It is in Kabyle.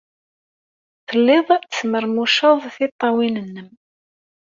Telliḍ tesmermuceḍ tiṭṭawin-nnem.